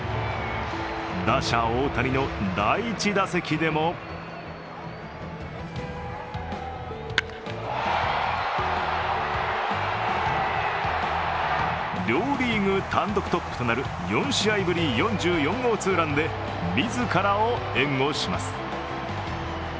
打者・大谷の第１打席でも両リーグ単独トップとなる４試合ぶり４４号ツーランで自らを援護します。